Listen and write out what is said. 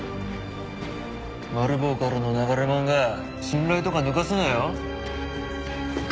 マル暴からの流れもんが信頼とか抜かすなよ？